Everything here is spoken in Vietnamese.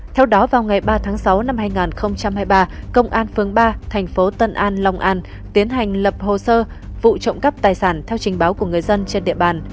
theo đó vào ngày ba tháng sáu năm hai nghìn hai mươi ba công an phường ba thành phố tân an long an tiến hành lập hồ sơ vụ trộm cắp tài sản theo trình báo của người dân trên địa bàn